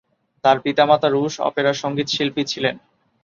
তার পিতামাতা রুশ অপেরা সঙ্গীতশিল্পী ছিলেন।